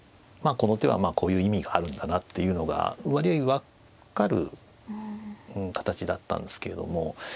この手はこういう意味があるんだなっていうのが割合分かる形だったんですけれども。